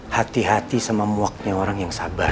hati hati sama muaknya orang yang sabar